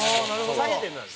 下げてるのよ。